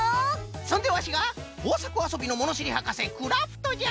そんでわしがこうさくあそびのものしりはかせクラフトじゃ！